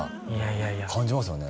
いやいや感じますよね